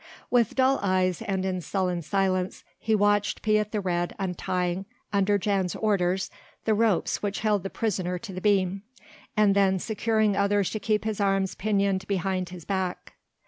With dull eyes and in sullen silence he watched Piet the Red untying under Jan's orders the ropes which held the prisoner to the beam, and then securing others to keep his arms pinioned behind his back.